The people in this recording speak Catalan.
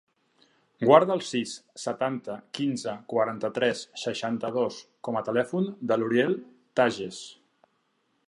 Guarda el sis, setanta, quinze, quaranta-tres, seixanta-dos com a telèfon de l'Uriel Tajes.